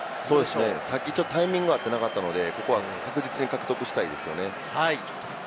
さっきタイミングがちょっと合ってなかったので、ここは確実に獲得したいですね。